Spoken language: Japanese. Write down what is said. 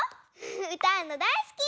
うたうのだいすき！